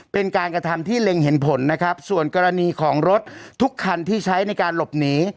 เป็นการกระทำที่เล็งเห็นผลนะครับส่วนกรณีของรถทุกคันที่ใช้ในการหลบหนี